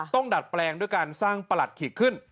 ดัดแปลงด้วยการสร้างประหลัดขีกขึ้น